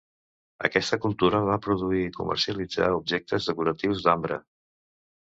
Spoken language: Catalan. Aquesta cultura va produir i comercialitzar objectes decoratius d'ambre.